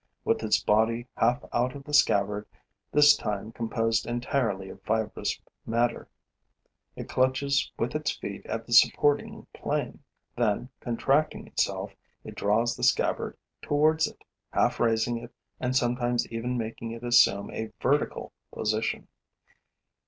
With its body half out of the scabbard, this time composed entirely of fibrous matter, it clutches with its feet at the supporting plane. Then, contracting itself, it draws the scabbard towards it, half raising it and sometimes even making it assume a vertical position.